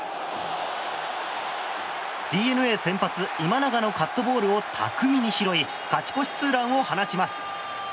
ＤｅＮＡ先発、今永のカットボールを巧みに拾い勝ち越しツーランを放ちます。